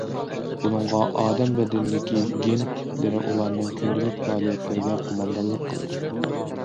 بۇنىڭغا ئادەم بەدىنىدىكى گېن تىپلىرى ئۇلارنىڭ كۈندىلىك پائالىيەتلىرىگە قوماندانلىق قىلىدۇ.